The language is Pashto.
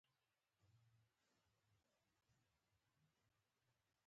ته هم دا سي فکر خپل کړه بیا مي ورته وویل: